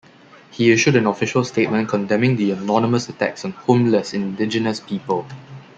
He issued an official statement condemning the anonymous attacks on homeless indigenous people.